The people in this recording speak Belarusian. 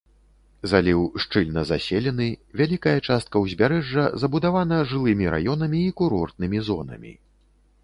Заліў шчыльна заселены, вялікая частка ўзбярэжжа забудавана жылымі раёнамі і курортнымі зонамі.